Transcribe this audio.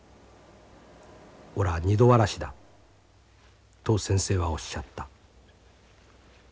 『おら二度わらしだ』と先生はおっしゃった」。